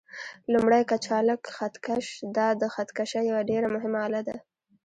لومړی: کچالک خط کش: دا د خط کشۍ یوه ډېره مهمه آله ده.